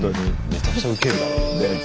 めちゃくちゃウケるだろうね。